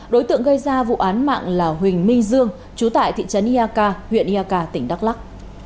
đối tượng gây ra vụ án mạng là huỳnh minh dương trú tại thị trấn ia ca huyện ia ca tỉnh đắk lắc